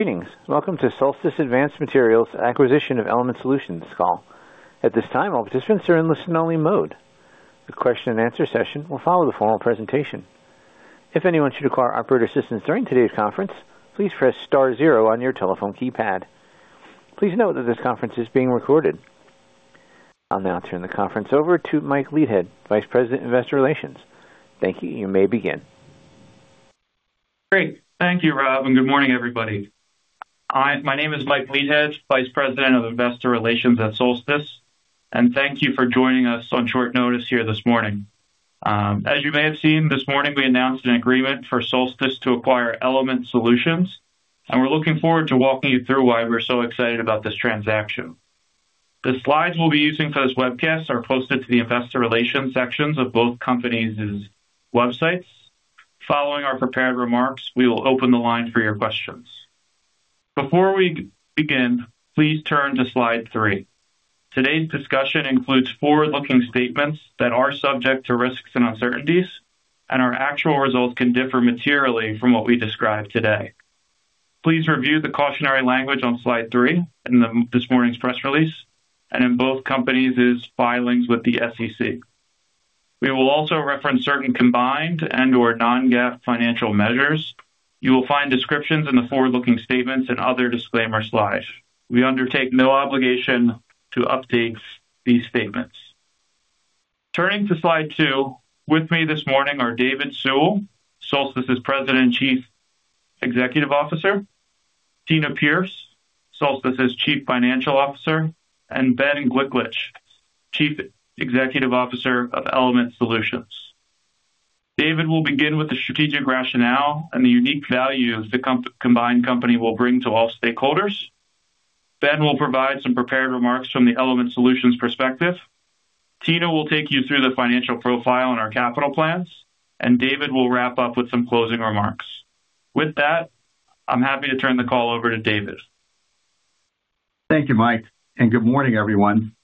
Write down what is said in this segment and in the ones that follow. Greetings. Welcome to Solstice Advanced Materials' acquisition of Element Solutions call. At this time, all participants are in listen-only mode. The question-and-answer session will follow the formal presentation. If anyone should require operator assistance during today's conference, please press star zero on your telephone keypad. Please note that this conference is being recorded. I'll now turn the conference over to Mike Leithead, Vice President of Investor Relations. Thank you. You may begin. Great. Thank you, Rob, and good morning, everybody. Hi, my name is Mike Leithead, Vice President of Investor Relations at Solstice, and thank you for joining us on short notice here this morning. As you may have seen, this morning, we announced an agreement for Solstice to acquire Element Solutions, and we're looking forward to walking you through why we're so excited about this transaction. The slides we'll be using for this webcast are posted to the investor relations sections of both companies' websites. Following our prepared remarks, we will open the line for your questions. Before we begin, please turn to slide three. Today's discussion includes forward-looking statements that are subject to risks and uncertainties, and our actual results can differ materially from what we describe today. Please review the cautionary language on slide three in this morning's press release and in both companies' filings with the SEC. We will also reference certain combined and/or non-GAAP financial measures. You will find descriptions in the forward-looking statements and other disclaimer slides. We undertake no obligation to update these statements. Turning to slide two. With me this morning are David Sewell, Solstice's President, Chief Executive Officer; Tina Pierce, Solstice's Chief Financial Officer; and Ben Gliklich, Chief Executive Officer of Element Solutions. David will begin with the strategic rationale and the unique value the combined company will bring to all stakeholders. Ben will provide some prepared remarks from the Element Solutions' perspective. Tina will take you through the financial profile and our capital plans. And David will wrap up with some closing remarks. With that, I'm happy to turn the call over to David. Thank you, Mike, and good morning, everyone.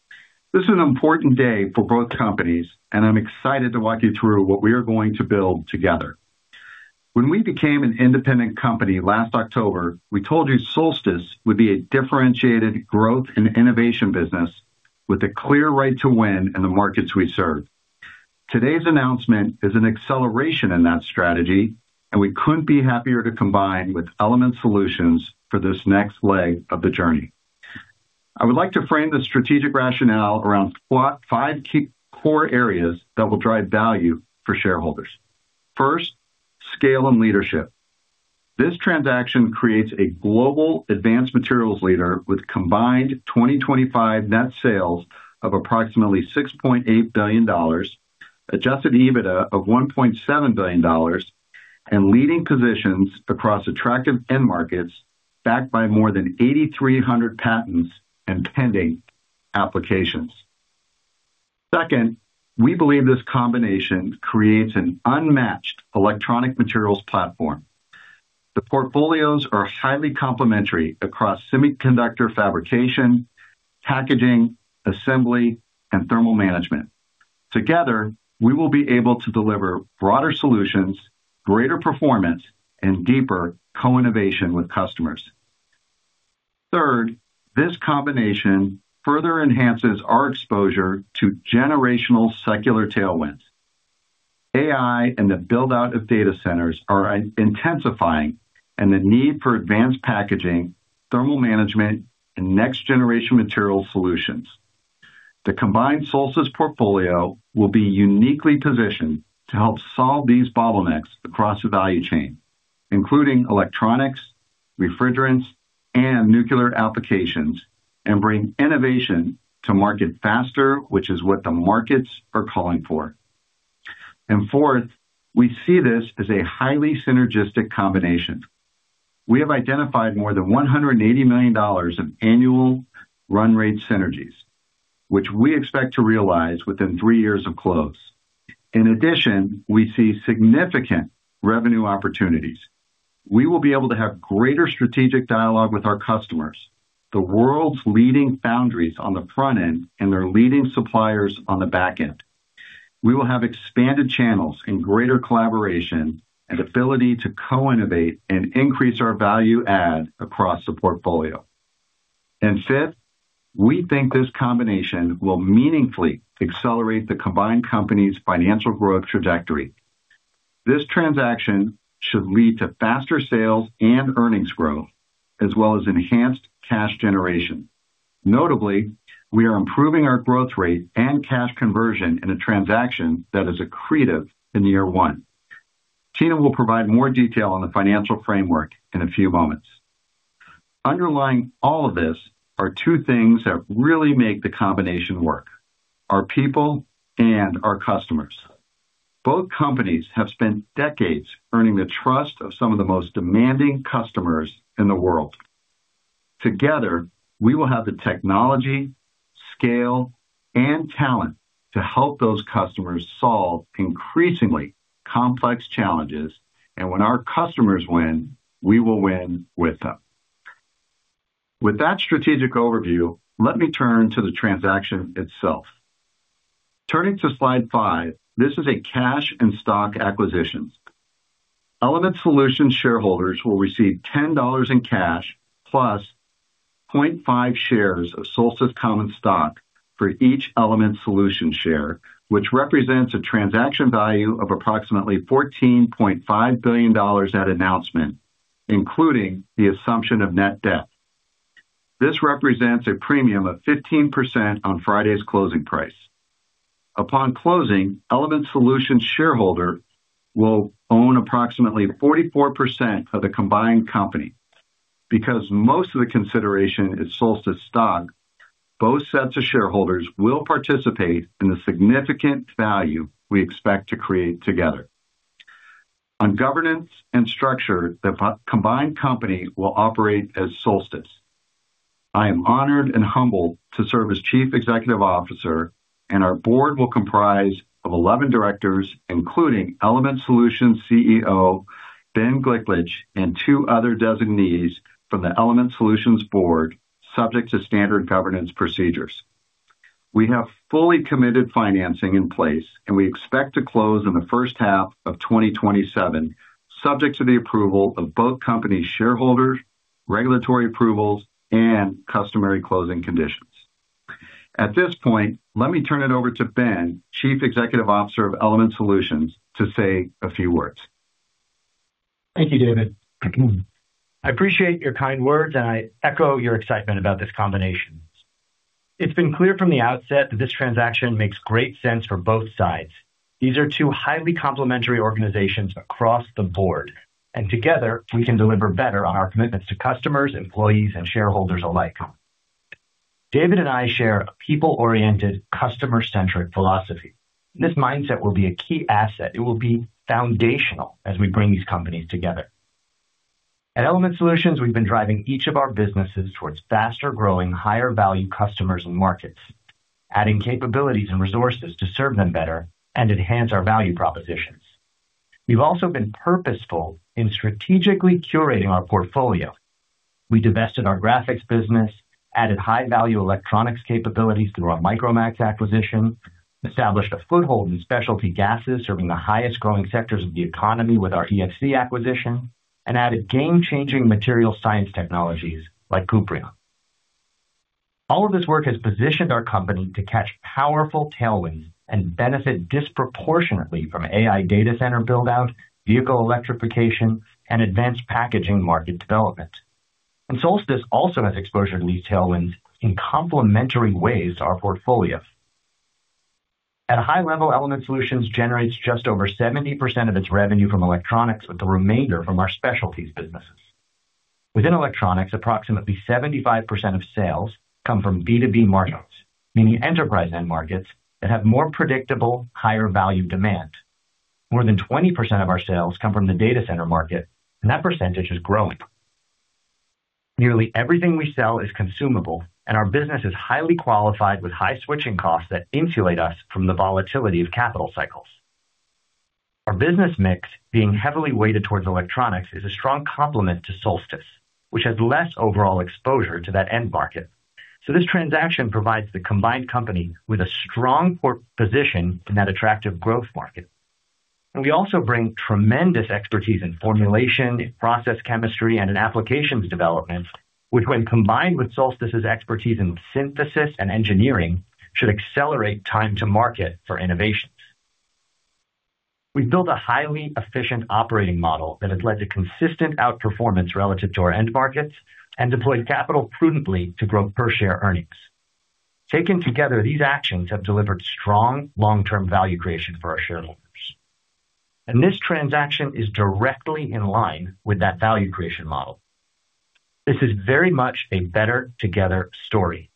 This is an important day for both companies, and I'm excited to walk you through what we are going to build together. When we became an independent company last October, we told you Solstice would be a differentiated growth and innovation business with a clear right to win in the markets we serve. Today's announcement is an acceleration in that strategy, and we couldn't be happier to combine with Element Solutions for this next leg of the journey. I would like to frame the strategic rationale around five key core areas that will drive value for shareholders. First, scale and leadership. This transaction creates a global advanced materials leader with combined 2025 net sales of approximately $6.8 billion, adjusted EBITDA of $1.7 billion, and leading positions across attractive end markets backed by more than 8,300 patents and pending applications. Second, we believe this combination creates an unmatched electronic materials platform. The portfolios are highly complementary across semiconductor fabrication, packaging, assembly, and thermal management. Together, we will be able to deliver broader solutions, greater performance, and deeper co-innovation with customers. Third, this combination further enhances our exposure to generational secular tailwinds. AI and the build-out of data centers are intensifying and the need for advanced packaging, thermal management, and next-generation material solutions. The combined Solstice portfolio will be uniquely positioned to help solve these bottlenecks across the value chain, including electronics, refrigerants, and nuclear applications, and bring innovation to market faster, which is what the markets are calling for. Fourth, we see this as a highly synergistic combination. We have identified more than $180 million of annual run rate synergies, which we expect to realize within three years of close. In addition, we see significant revenue opportunities. We will be able to have greater strategic dialogue with our customers, the world's leading foundries on the front end, and their leading suppliers on the back end. We will have expanded channels and greater collaboration and ability to co-innovate and increase our value add across the portfolio. And fifth, we think this combination will meaningfully accelerate the combined company's financial growth trajectory. This transaction should lead to faster sales and earnings growth, as well as enhanced cash generation. Notably, we are improving our growth rate and cash conversion in a transaction that is accretive in year one. Tina will provide more detail on the financial framework in a few moments. Underlying all of this are two things that really make the combination work: our people and our customers. Both companies have spent decades earning the trust of some of the most demanding customers in the world. Together, we will have the technology, scale, and talent to help those customers solve increasingly complex challenges. And when our customers win, we will win with them. With that strategic overview, let me turn to the transaction itself. Turning to slide five, this is a cash and stock acquisition. Element Solutions shareholders will receive $10 in cash plus 0.5 shares of Solstice common stock for each Element Solutions share, which represents a transaction value of approximately $14.5 billion at announcement, including the assumption of net debt. This represents a premium of 15% on Friday's closing price. Upon closing, Element Solutions shareholder will own approximately 44% of the combined company. Because most of the consideration is Solstice stock, both sets of shareholders will participate in the significant value we expect to create together. On governance and structure, the combined company will operate as Solstice. I am honored and humbled to serve as Chief Executive Officer, and our board will comprise of 11 directors, including Element Solutions CEO, Ben Gliklich, and two other designees from the Element Solutions board, subject to standard governance procedures. We have fully committed financing in place, and we expect to close in the first half of 2027, subject to the approval of both companies' shareholders, regulatory approvals, and customary closing conditions. At this point, let me turn it over to Ben, Chief Executive Officer of Element Solutions, to say a few words. Thank you, David. I appreciate your kind words. I echo your excitement about this combination. It's been clear from the outset that this transaction makes great sense for both sides. These are two highly complementary organizations across the board, and together, we can deliver better on our commitments to customers, employees, and shareholders alike. David and I share a people-oriented, customer-centric philosophy. This mindset will be a key asset. It will be foundational as we bring these companies together. At Element Solutions, we've been driving each of our businesses towards faster-growing, higher-value customers and markets, adding capabilities and resources to serve them better and enhance their value propositions. We've also been purposeful in strategically curating our portfolio. We divested our graphics business, added high-value electronics capabilities through our Micromax acquisition, established a foothold in specialty gases serving the highest growing sectors of the economy with our EFC acquisition, and added game-changing material science technologies like Kuprion. All of this work has positioned our company to catch powerful tailwinds and benefit disproportionately from AI data center build-out, vehicle electrification, and advanced packaging market development. Solstice also has exposure to these tailwinds in complementary ways to our portfolio. At a high level, Element Solutions generates just over 70% of its revenue from electronics, with the remainder from our specialties businesses. Within electronics, approximately 75% of sales come from B2B markets, meaning enterprise end markets that have more predictable, higher value demand. More than 20% of our sales come from the data center market. That percentage is growing. Nearly everything we sell is consumable, and our business is highly qualified with high switching costs that insulate us from the volatility of capital cycles. Our business mix, being heavily weighted towards electronics, is a strong complement to Solstice, which has less overall exposure to that end market. So, this transaction provides the combined company with a strong position in that attractive growth market. We also bring tremendous expertise in formulation, in process chemistry, and in applications development, which, when combined with Solstice's expertise in synthesis and engineering, should accelerate time to market for innovations. We've built a highly efficient operating model that has led to consistent outperformance relative to our end markets and deployed capital prudently to grow per share earnings. Taken together, these actions have delivered strong long-term value creation for our shareholders. And this transaction is directly in line with that value creation model. This is very much a better together story,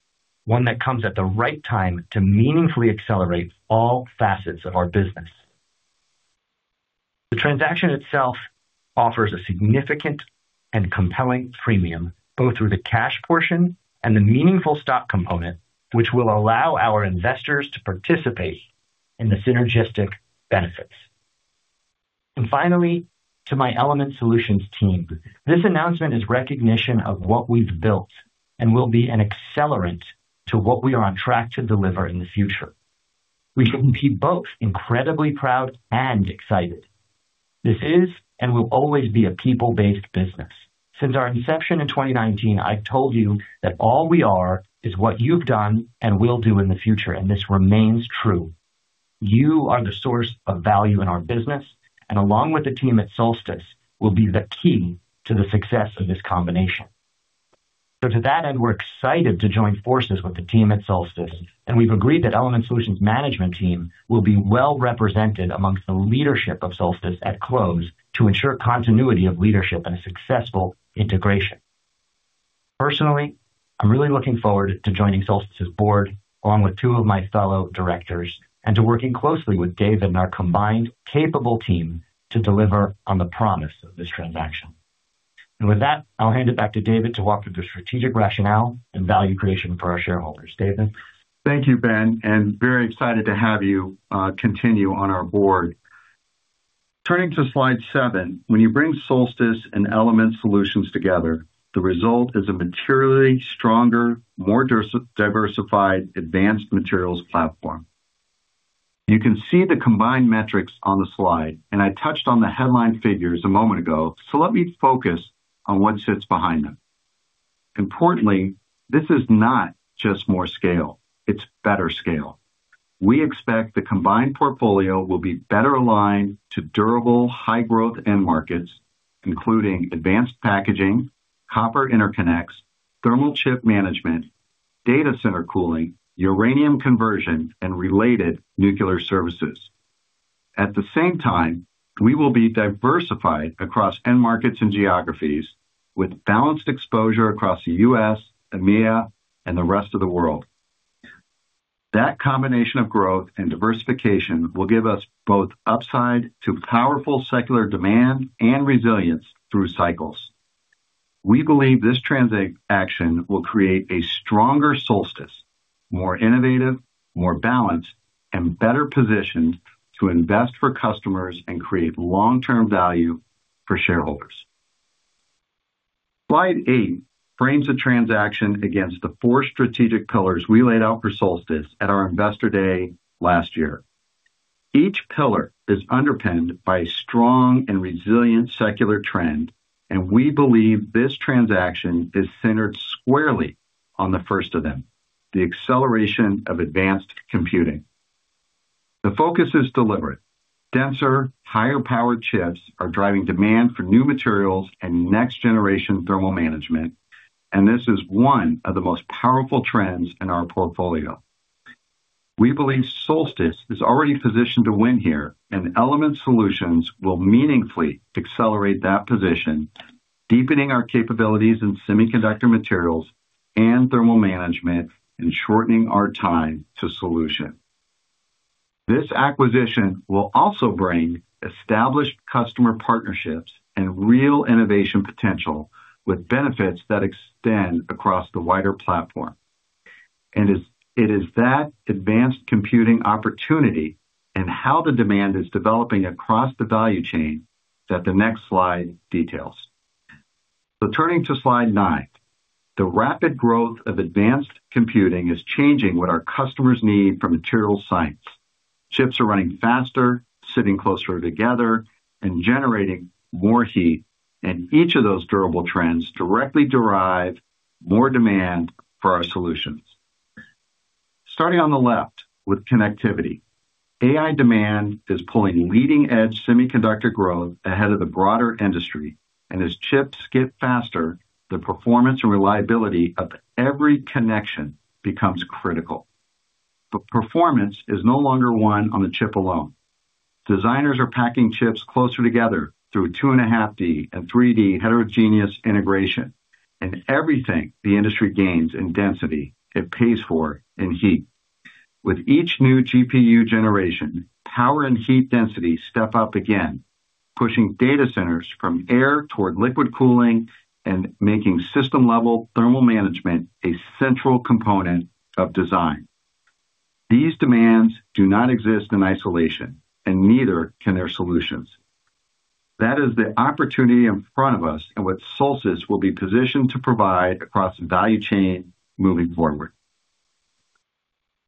one that comes at the right time to meaningfully accelerate all facets of our business. The transaction itself offers a significant and compelling premium, both through the cash portion and the meaningful stock component, which will allow our investors to participate in the synergistic benefits. Finally, to my Element Solutions team, this announcement is recognition of what we've built and will be an accelerant to what we are on track to deliver in the future. We can be both incredibly proud and excited. This is and will always be a people-based business. Since our inception in 2019, I've told you that all we are is what you've done and will do in the future, and this remains true. You are the source of value in our business, and along with the team at Solstice, will be the key to the success of this combination. To that end, we're excited to join forces with the team at Solstice, and we've agreed that Element Solutions management team will be well represented amongst the leadership of Solstice at close to ensure continuity of leadership and a successful integration. Personally, I'm really looking forward to joining Solstice's board along with two of my fellow directors and to working closely with David and our combined capable team to deliver on the promise of this transaction. With that, I'll hand it back to David to walk through the strategic rationale and value creation for our shareholders. David? Thank you, Ben, and very excited to have you continue on our board. Turning to slide seven. When you bring Solstice and Element Solutions together, the result is a materially stronger, more diversified advanced materials platform. You can see the combined metrics on the slide, and I touched on the headline figures a moment ago, so let me focus on what sits behind them. Importantly, this is not just more scale. It's better scale. We expect the combined portfolio will be better aligned to durable high-growth end markets, including advanced packaging, copper interconnects, thermal chip management, data center cooling, uranium conversion, and related nuclear services. At the same time, we will be diversified across end markets and geographies with balanced exposure across the U.S., EMEA, and the rest of the world. That combination of growth and diversification will give us both upside to powerful secular demand and resilience through cycles. We believe this transaction will create a stronger Solstice, more innovative, more balanced, and better positioned to invest for customers and create long-term value for shareholders. Slide eight frames the transaction against the four strategic pillars we laid out for Solstice at our Investor Day last year. Each pillar is underpinned by a strong and resilient secular trend, and we believe this transaction is centered squarely on the first of them, the acceleration of advanced computing. The focus is deliberate. Denser, higher-powered chips are driving demand for new materials and next-generation thermal management, and this is one of the most powerful trends in our portfolio. We believe Solstice is already positioned to win here, and Element Solutions will meaningfully accelerate that position, deepening our capabilities in semiconductor materials and thermal management, and shortening our time to solution. This acquisition will also bring established customer partnerships and real innovation potential with benefits that extend across the wider platform. It is that advanced computing opportunity and how the demand is developing across the value chain that the next slide details. Turning to slide nine. The rapid growth of advanced computing is changing what our customers need from material science. Chips are running faster, sitting closer together, and generating more heat, and each of those durable trends directly derive more demand for our solutions. Starting on the left with connectivity. AI demand is pulling leading-edge semiconductor growth ahead of the broader industry, and as chips skip faster, the performance and reliability of every connection becomes critical. Performance is no longer won on the chip alone. Designers are packing chips closer together through 2.5D and 3D heterogeneous integration, and everything the industry gains in density, it pays for in heat. With each new GPU generation, power and heat density step up again, pushing data centers from air toward liquid cooling and making system-level thermal management a central component of design. These demands do not exist in isolation, and neither can their solutions. That is the opportunity in front of us and what Solstice will be positioned to provide across the value chain moving forward.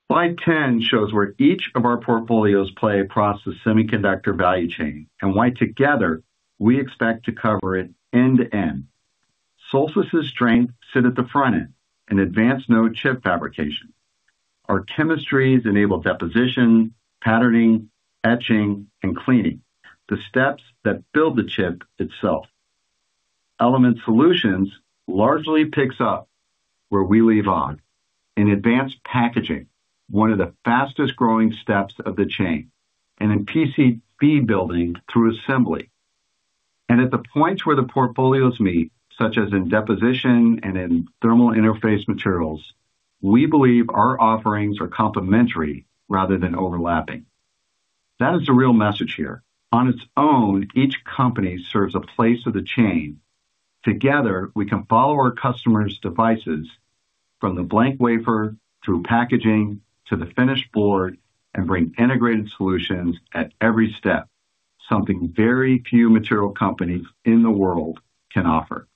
Slide 10 shows where each of our portfolios play across the semiconductor value chain and why together we expect to cover it end to end. Solstice's strength sit at the front end in advanced node chip fabrication. Our chemistries enable deposition, patterning, etching, and cleaning, the steps that build the chip itself. Element Solutions largely picks up where we leave off in advanced packaging, one of the fastest-growing steps of the chain, and in PCB building through assembly. At the points where the portfolios meet, such as in deposition and in thermal interface materials, we believe our offerings are complementary rather than overlapping. That is the real message here. On its own, each company serves a place of the chain. Together, we can follow our customers' devices from the blank wafer through packaging to the finished board and bring integrated solutions at every step, something very few material companies in the world can offer.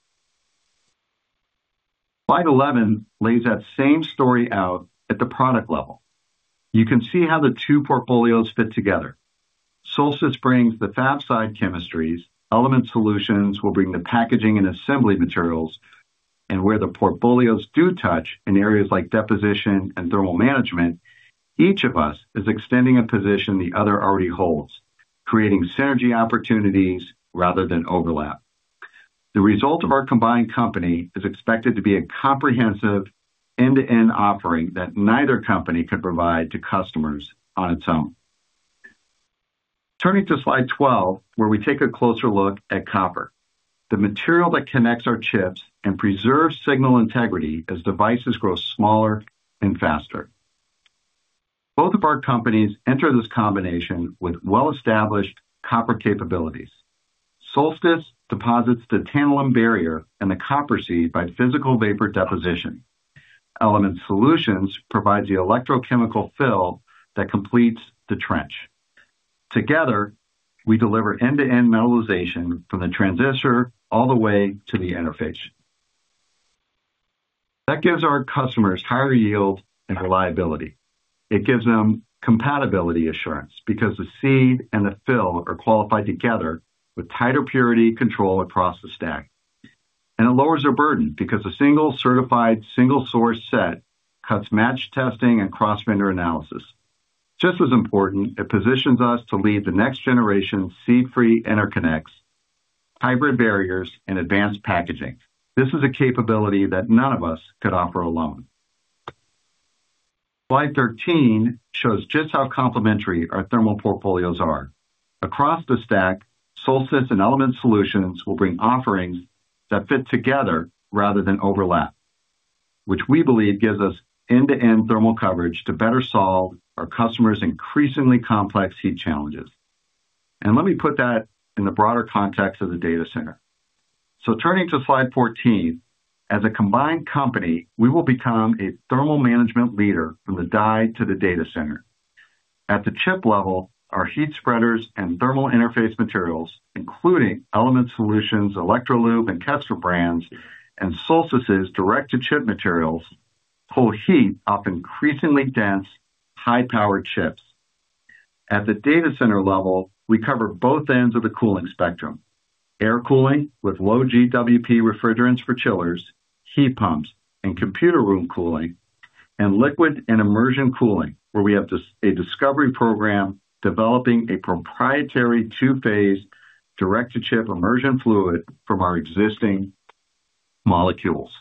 Slide 11 lays that same story out at the product level. You can see how the two portfolios fit together. Solstice brings the fab-side chemistries, Element Solutions will bring the packaging and assembly materials, and where the portfolios do touch in areas like deposition and thermal management, each of us is extending a position the other already holds, creating synergy opportunities rather than overlap. The result of our combined company is expected to be a comprehensive end-to-end offering that neither company could provide to customers on its own. Turning to slide 12, where we take a closer look at copper, the material that connects our chips and preserves signal integrity as devices grow smaller and faster. Both of our companies enter this combination with well-established copper capabilities. Solstice deposits the tantalum barrier and the copper seed by physical vapor deposition. Element Solutions provides the electrochemical fill that completes the trench. Together, we deliver end-to-end metallization from the transistor all the way to the interface. That gives our customers higher yield and reliability. It gives them compatibility assurance because the seed and the fill are qualified together with tighter purity control across the stack. And it lowers their burden because a single certified, single source set cuts match testing and cross-vendor analysis. Just as important, it positions us to lead the next generation seed free interconnects, hybrid barriers, and advanced packaging. This is a capability that none of us could offer alone. Slide 13 shows just how complementary our thermal portfolios are. Across the stack, Solstice and Element Solutions will bring offerings that fit together rather than overlap, which we believe gives us end-to-end thermal coverage to better solve our customers' increasingly complex heat challenges. Let me put that in the broader context of the data center. Turning to slide 14, as a combined company, we will become a thermal management leader from the die to the data center. At the chip level, our heat spreaders and thermal interface materials, including Element Solutions, Electrolube, and Kester brands, and Solstice's direct-to-chip materials, pull heat off increasingly dense, high-powered chips. At the data center level, we cover both ends of the cooling spectrum: air cooling with low GWP refrigerants for chillers, heat pumps, and computer room cooling, and liquid and immersion cooling, where we have a discovery program developing a proprietary two-phase direct-to-chip immersion fluid from our existing molecules.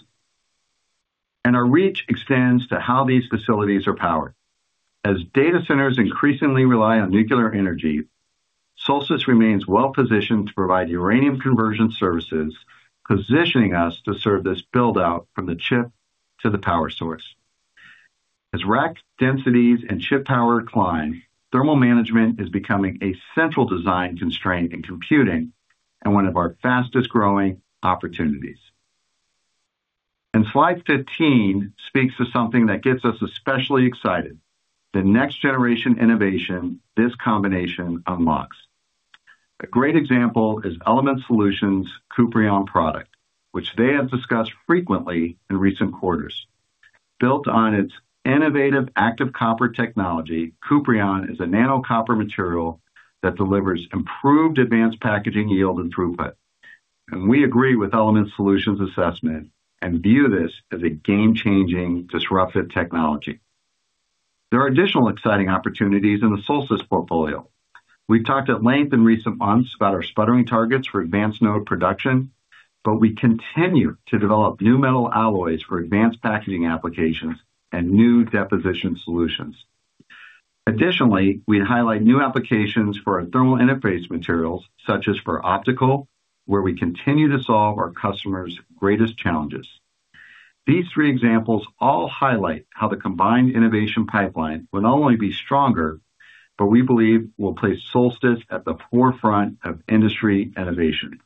And our reach extends to how these facilities are powered. As data centers increasingly rely on nuclear energy, Solstice remains well-positioned to provide uranium conversion services, positioning us to serve this build-out from the chip to the power source. As rack densities and chip power climb, thermal management is becoming a central design constraint in computing and one of our fastest-growing opportunities. Slide 15 speaks to something that gets us especially excited, the next generation innovation this combination unlocks. A great example is Element Solutions' Kuprion product, which they have discussed frequently in recent quarters. Built on its innovative active copper technology, Kuprion is a nano copper material that delivers improved advanced packaging yield and throughput, and we agree with Element Solutions' assessment and view this as a game-changing disruptive technology. There are additional exciting opportunities in the Solstice portfolio. We talked at length in recent months about our sputtering targets for advanced node production, but we continue to develop new metal alloys for advanced packaging applications and new deposition solutions. Additionally, we highlight new applications for our thermal interface materials, such as for optical, where we continue to solve our customers' greatest challenges. These three examples all highlight how the combined innovation pipeline will not only be stronger, but we believe will place Solstice at the forefront of industry innovation.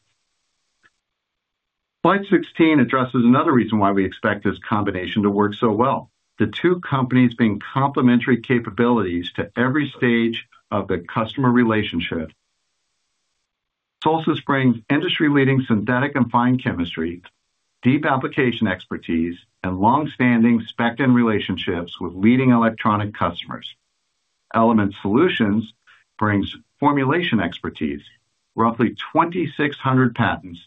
Slide 16 addresses another reason why we expect this combination to work so well, the two companies bring complementary capabilities to every stage of the customer relationship. Solstice brings industry-leading synthetic and fine chemistry, deep application expertise, and long-standing spec-in relationships with leading electronic customers. Element Solutions brings formulation expertise, roughly 2,600 patents,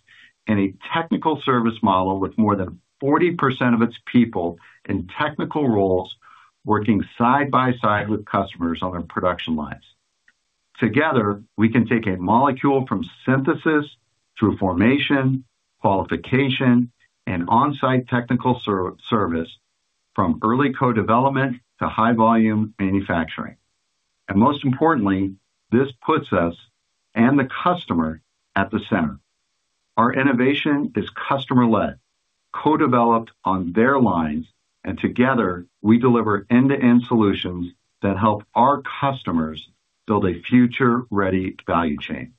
and a technical service model with more than 40% of its people in technical roles, working side by side with customers on their production lines. Together, we can take a molecule from synthesis through formation, qualification, and on-site technical service from early co-development to high-volume manufacturing. And most importantly, this puts us and the customer at the center. Our innovation is customer-led, co-developed on their lines, and together, we deliver end-to-end solutions that help our customers build a future-ready value chain.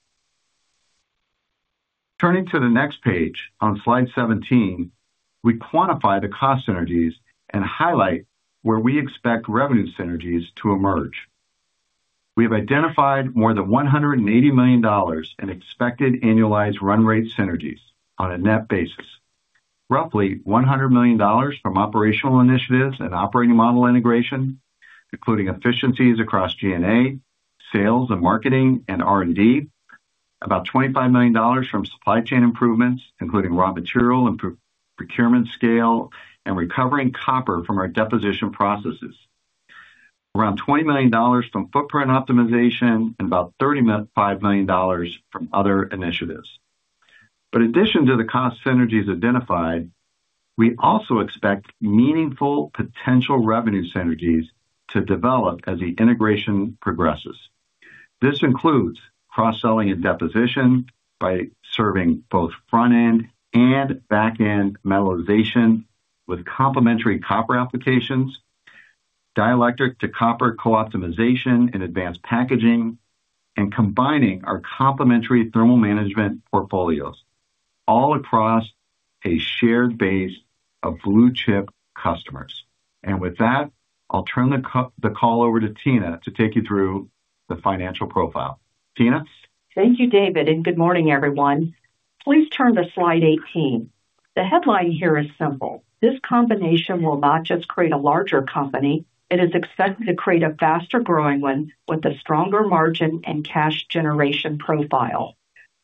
Turning to the next page, on slide 17, we quantify the cost synergies and highlight where we expect revenue synergies to emerge. We have identified more than $180 million in expected annualized run rate synergies on a net basis; roughly $100 million from operational initiatives and operating model integration, including efficiencies across G&A, sales and marketing, and R&D; about $25 million from supply chain improvements, including raw material and procurement scale, and recovering copper from our deposition processes; around $20 million from footprint optimization; and about $35 million from other initiatives. In addition to the cost synergies identified, we also expect meaningful potential revenue synergies to develop as the integration progresses. This includes cross-selling and deposition by serving both front-end and back-end metallization with complementary copper applications, dielectric to copper co-optimization and advanced packaging, and combining our complementary thermal management portfolios all across a shared base of blue-chip customers. With that, I'll turn the call over to Tina to take you through the financial profile. Tina? Thank you, David, and good morning, everyone. Please turn to slide 18. The headline here is simple. This combination will not just create a larger company, it is expected to create a faster-growing one with a stronger margin and cash generation profile.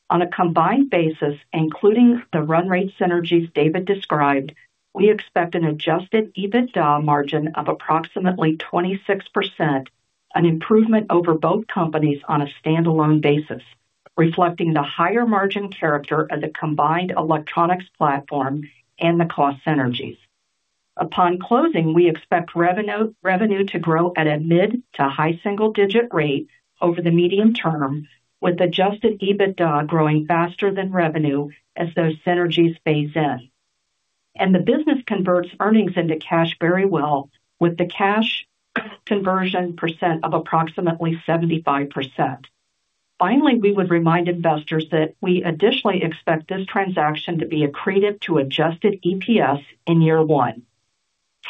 On a combined basis, including the run rate synergies David described, we expect an adjusted EBITDA margin of approximately 26%, an improvement over both companies on a standalone basis, reflecting the higher margin character of the combined electronics platform and the cost synergies. Upon closing, we expect revenue to grow at a mid to high single-digit rate over the medium term, with adjusted EBITDA growing faster than revenue as those synergies phase in. And the business converts earnings into cash very well, with the cash conversion percent of approximately 75%. Finally, we would remind investors that we additionally expect this transaction to be accretive to adjusted EPS in year one.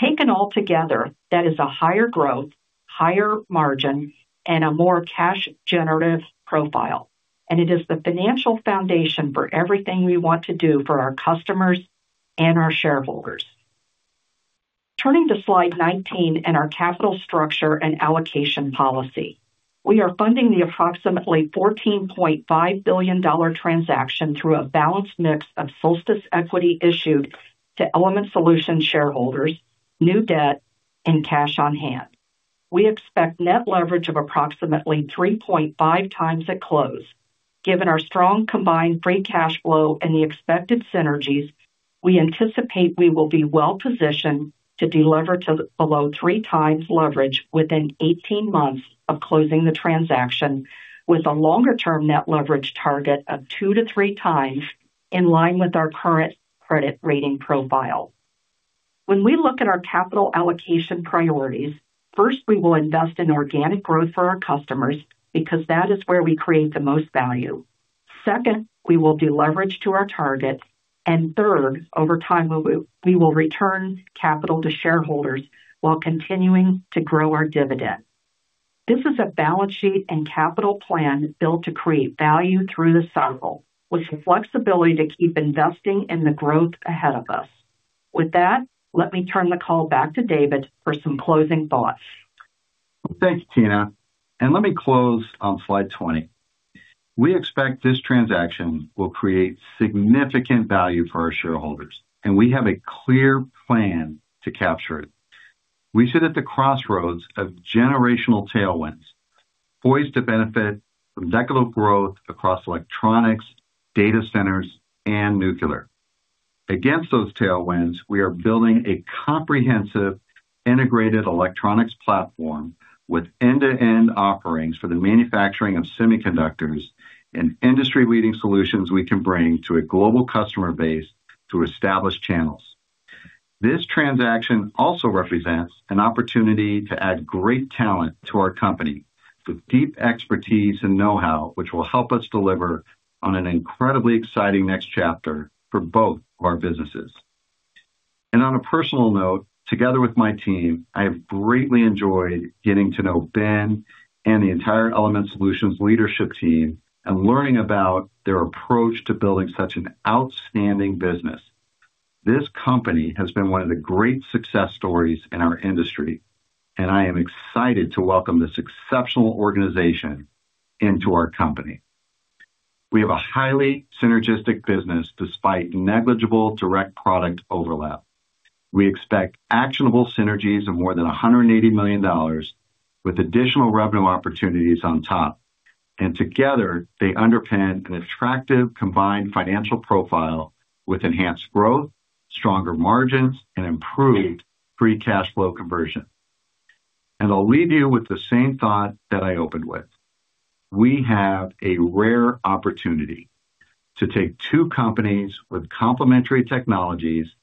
Taken all together, that is a higher growth, higher margin, and a more cash generative profile, and it is the financial foundation for everything we want to do for our customers and our shareholders. Turning to slide 19 and our capital structure and allocation policy. We are funding the approximately $14.5 billion transaction through a balanced mix of Solstice equity issued to Element Solutions shareholders, new debt, and cash on hand. We expect net leverage of approximately 3.5x at close. Given our strong combined free cash flow and the expected synergies, we anticipate we will be well-positioned to delever to below 3x leverage within 18 months of closing the transaction, with a longer-term net leverage target of 2x-3x, in line with our current credit rating profile. When we look at our capital allocation priorities, first, we will invest in organic growth for our customers because that is where we create the most value. Second, we will deleverage to our target. And third, over time, we will return capital to shareholders while continuing to grow our dividend. This is a balance sheet and capital plan built to create value through the cycle, with the flexibility to keep investing in the growth ahead of us. With that, let me turn the call back to David for some closing thoughts. Thanks, Tina, and let me close on slide 20. We expect this transaction will create significant value for our shareholders, and we have a clear plan to capture it. We sit at the crossroads of generational tailwinds, poised to benefit from decadal growth across electronics, data centers, and nuclear. Against those tailwinds, we are building a comprehensive integrated electronics platform with end-to-end offerings for the manufacturing of semiconductors and industry-leading solutions we can bring to a global customer base through established channels. This transaction also represents an opportunity to add great talent to our company, with deep expertise and know-how, which will help us deliver on an incredibly exciting next chapter for both of our businesses. On a personal note, together with my team, I have greatly enjoyed getting to know Ben and the entire Element Solutions leadership team and learning about their approach to building such an outstanding business. This company has been one of the great success stories in our industry, and I am excited to welcome this exceptional organization into our company. We have a highly synergistic business, despite negligible direct product overlap. We expect actionable synergies of more than $180 million, with additional revenue opportunities on top, and together, they underpin an attractive combined financial profile with enhanced growth, stronger margins, and improved free cash flow conversion. I'll leave you with the same thought that I opened with. We have a rare opportunity to take two companies with complementary technologies,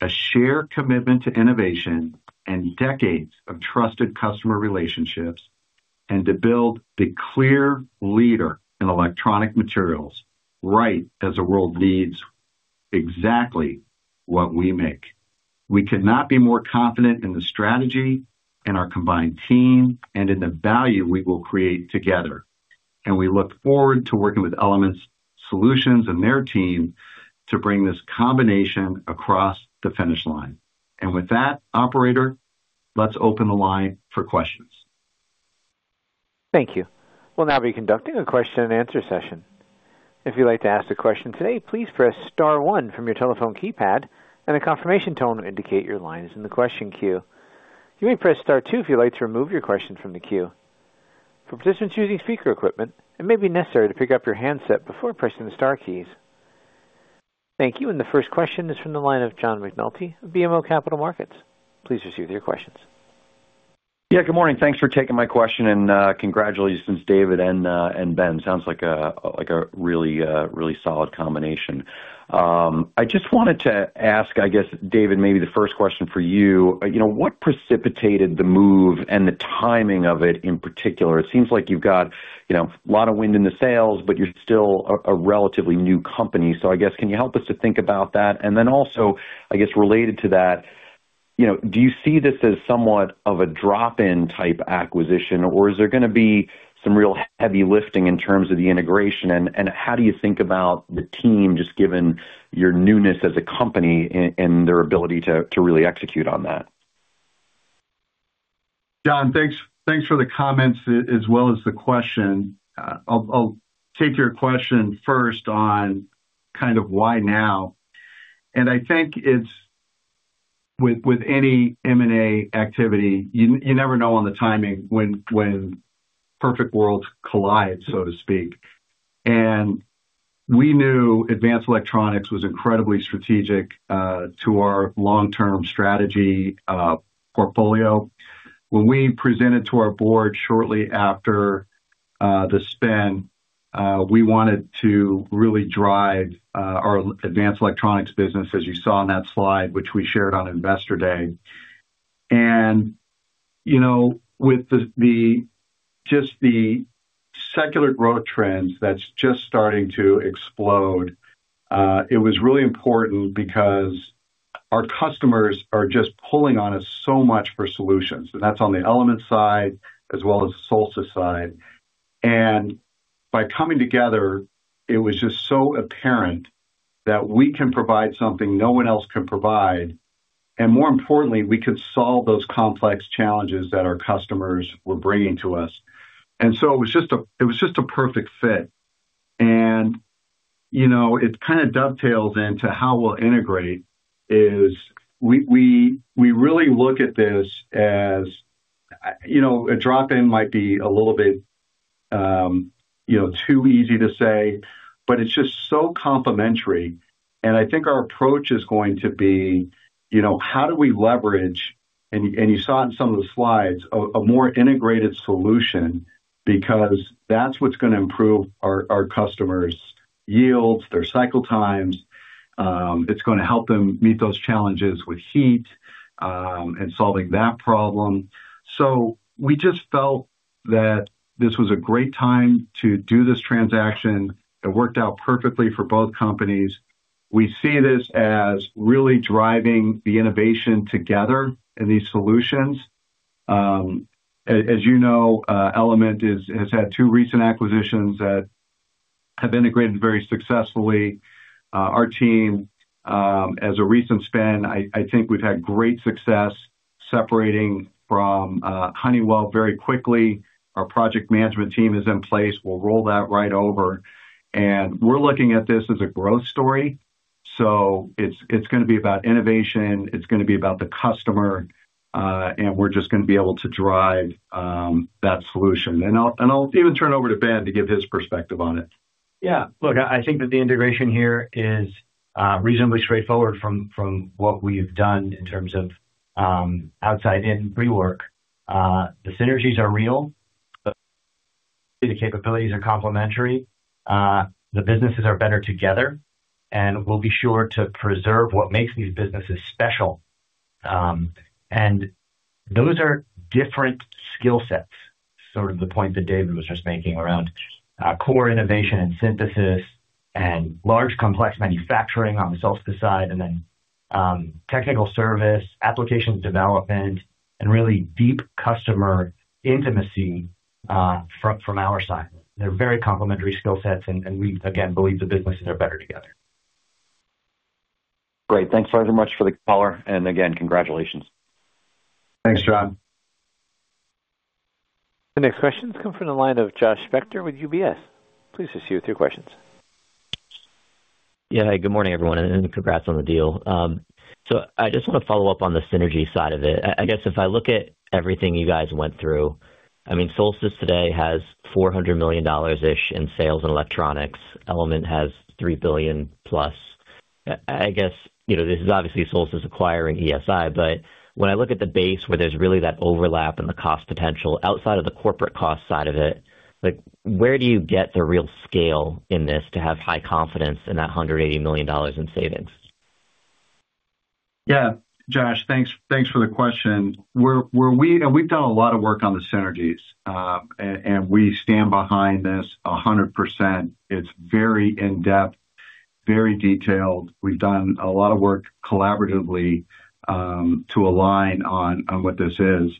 a shared commitment to innovation, and decades of trusted customer relationships, and to build the clear leader in electronic materials, right as the world needs exactly what we make. We could not be more confident in the strategy, in our combined team, and in the value we will create together. We look forward to working with Element Solutions and their team to bring this combination across the finish line. With that, operator, let's open the line for questions. Thank you. We'll now be conducting a question-and-answer session. If you'd like to ask a question today, please press star one from your telephone keypad, and a confirmation tone will indicate your line is in the question queue. You may press star two if you'd like to remove your question from the queue. For participants using speaker equipment, it may be necessary to pick up your handset before pressing the star keys. Thank you. The first question is from the line of John McNulty of BMO Capital Markets. Please proceed with your questions. Yeah, good morning. Thanks for taking my question. Congratulations, David and Ben. Sounds like a really solid combination. I just wanted to ask, I guess, David, maybe the first question for you. What precipitated the move and the timing of it, in particular? It seems like you've got a lot of wind in the sails, but you're still a relatively new company. So, I guess, can you help us to think about that? Also, I guess related to that, do you see this as somewhat of a drop-in type of acquisition, or is there going to be some real heavy lifting in terms of the integration? And how do you think about the team, just given your newness as a company, and their ability to really execute on that? John, thanks for the comments as well as the question. I'll take your question first on kind of why now. I think, with any M&A activity, you never know on the timing when perfect worlds collide, so to speak. We knew advanced electronics was incredibly strategic to our long-term strategy portfolio. When we presented to our board shortly after the spin, we wanted to really drive our advanced electronics business, as you saw in that slide, which we shared on Investor Day, and you know, with just the secular growth trends that's just starting to explode, it was really important because our customers are just pulling on us so much for solutions, and that's on the Element side as well as the Solstice side. By coming together, it was just so apparent that we can provide something no one else can provide, and more importantly, we could solve those complex challenges that our customers were bringing to us. So, it was just a perfect fit, and you know, it kind of dovetails into how we'll integrate is we really look at this as, you know, a drop-in might be a little bit too easy to say, but it's just so complementary, and I think our approach is going to be, you know, how do we leverage, and you saw it in some of the slides, a more integrated solution, because that's what's going to improve our customers' yields, their cycle times. It's going to help them meet those challenges with heat and solving that problem. So, we just felt that this was a great time to do this transaction. It worked out perfectly for both companies. We see this as really driving the innovation together in these solutions. As you know, Element has had two recent acquisitions that have integrated very successfully. Our team, as a recent spin, I think we've had great success separating from Honeywell very quickly. Our project management team is in place. We'll roll that right over, and we're looking at this as a growth story. It's going to be about innovation, it's going to be about the customer, and we're just going to be able to drive that solution. I'll even turn over to Ben to give his perspective on it. Yeah. I think that the integration here is reasonably straightforward from what we've done in terms of outside in pre-work. The synergies are real. The capabilities are complementary. The businesses are better together, and we'll be sure to preserve what makes these businesses special. Those are different skill sets, sort of the point that David was just making around core innovation and synthesis and large complex manufacturing on the Solstice side, and then technical service, applications development, and really deep customer intimacy from our side. They're very complementary skill sets, and we, again, believe the businesses are better together. Great. Thanks very much for the color, and again, congratulations. Thanks, John. The next question comes from the line of Josh Spector with UBS. Please proceed with your questions. Yeah. Good morning, everyone, and congrats on the deal. I just want to follow up on the synergy side of it. I guess, if I look at everything you guys went through, I mean, Solstice today has $400 million-ish in sales in electronics, Element has $3 billion+. I guess, you know, this is obviously Solstice acquiring ESI, but when I look at the base where there's really that overlap and the cost potential outside of the corporate cost side of it, where do you get the real scale in this to have high confidence in that $180 million in savings? Yeah. Josh, thanks for the question. We've done a lot of work on the synergies, and we stand behind this 100%. It's very in-depth, very detailed. We've done a lot of work collaboratively to align on what this is.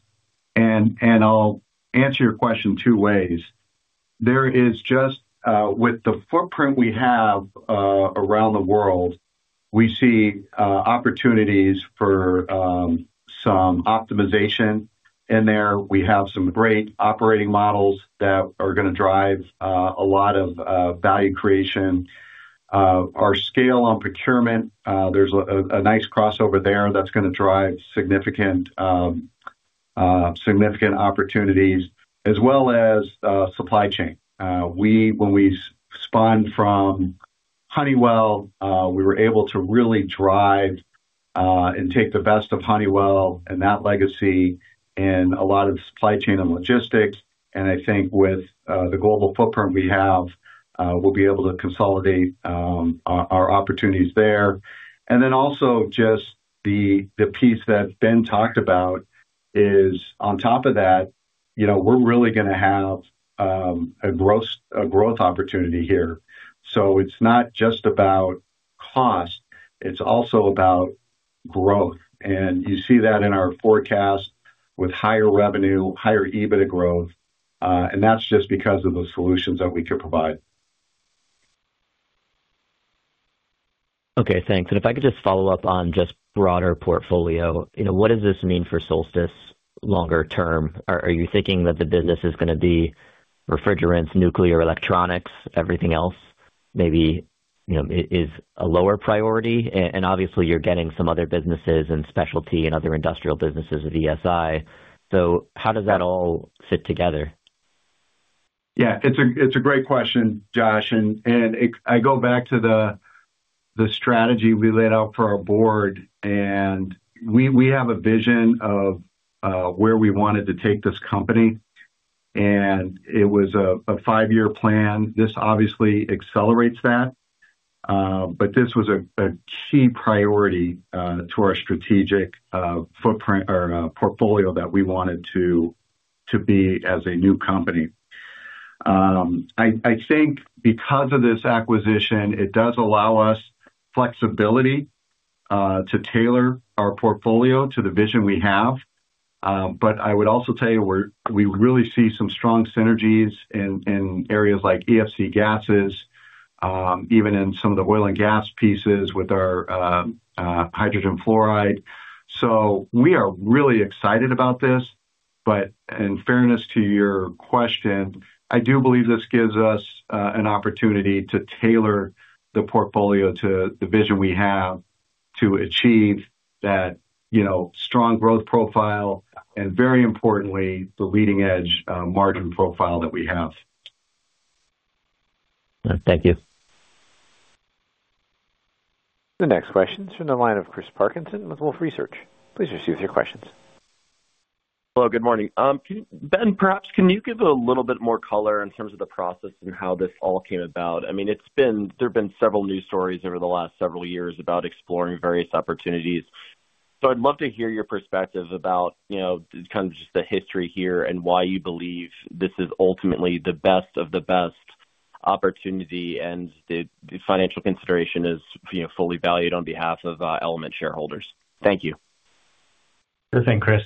I'll answer your question two ways. There is just, with the footprint we have around the world, we see opportunities for some optimization in there. We have some great operating models that are going to drive a lot of value creation. Our scale on procurement, there's a nice crossover there that's going to drive significant opportunities as well as supply chain. When we spun from Honeywell, we were able to really drive and take the best of Honeywell and that legacy in a lot of supply chain and logistics, and I think with the global footprint we have, we'll be able to consolidate our opportunities there. Also, just the piece that Ben talked about is on top of that, we're really going to have a growth opportunity here. So, it's not just about cost, it's also about growth, and you see that in our forecast with higher revenue, higher EBIT growth. And that's just because of the solutions that we can provide. Okay, thanks. If I could just follow up on just broader portfolio. What does this mean for Solstice longer term? Are you thinking that the business is going to be refrigerants, nuclear, electronics, everything else, maybe is a lower priority? And obviously, you're getting some other businesses in specialty and other industrial businesses with ESI, so how does that all fit together? Yeah. It's a great question, Josh. I go back to the strategy we laid out for our board, and we have a vision of where we wanted to take this company, and it was a five-year plan. This obviously accelerates that. But this was a key priority to our strategic footprint or portfolio that we wanted to be as a new company. I think because of this acquisition, it does allow us flexibility to tailor our portfolio to the vision we have. But I would also tell you, we really see some strong synergies in areas like EFC Gases, even in some of the oil and gas pieces with our hydrogen fluoride, so, we are really excited about this. But in fairness to your question, I do believe this gives us an opportunity to tailor the portfolio to the vision we have to achieve that strong growth profile and very importantly, the leading-edge margin profile that we have. Thank you. The next question's from the line of Chris Parkinson with Wolfe Research. Please proceed with your questions. Hello, good morning. Ben, perhaps, can you give a little bit more color in terms of the process and how this all came about? I mean, it's been, there've been several news stories over the last several years about exploring various opportunities. I'd love to hear your perspective about, you know, kind of just the history here and why you believe this is ultimately the best of the best opportunity and the financial consideration is fully valued on behalf of Element shareholders. Thank you. Good. Thanks, Chris,